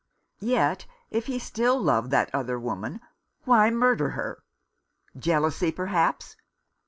Yet if he still loved that other woman, why murder her ? Jealousy, perhaps.